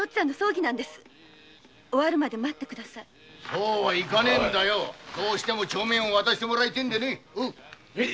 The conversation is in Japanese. そうはいかねえんだよどうしても帳面を渡してもらいてえんでね！